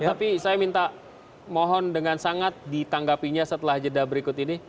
tapi saya minta mohon dengan sangat ditanggapinya setelah jeda berikut ini